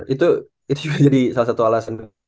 itu juga jadi salah satu alasan